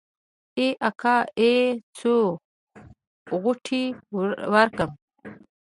ای اکا ای څو غوټې ورکمه.